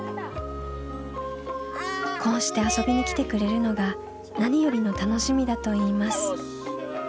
こうして遊びに来てくれるのが何よりの楽しみだといいます。